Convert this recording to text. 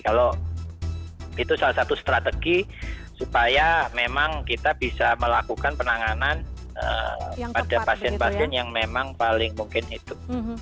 kalau itu salah satu strategi supaya memang kita bisa melakukan penanganan pada pasien pasien yang memang paling mungkin itu